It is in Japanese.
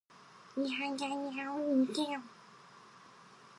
いはじゃじゃおいじぇお。